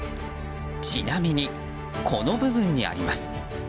ちなみに、この部分にあります。